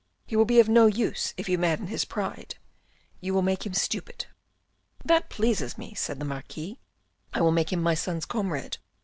He will be of no use if you madden his pride. You will make him stupid." " That pleases me," said the Marquis. " I will make him my son's comrade.